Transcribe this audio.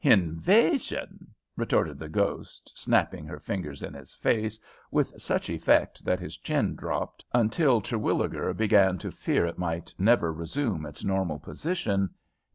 '" "Hinvaision?" retorted the ghost, snapping her fingers in his face with such effect that his chin dropped until Terwilliger began to fear it might never resume its normal position.